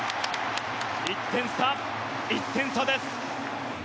１点差、１点差です。